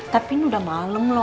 tapi ini udah malem loh